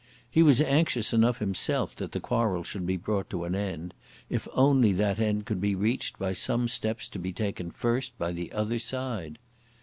He was anxious enough himself that the quarrel should be brought to an end, if only that end could be reached by some steps to be taken first by the other side.